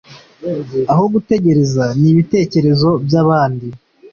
aho gutegereza n'ibitekerezo byabandi